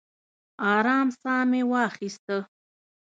ارام ساه مې واخیسته.